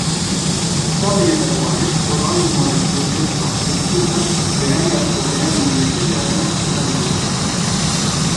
Osagaietako batek organismoaren funtsezko funtzioetan berariazko eragin mesedegarria izango du.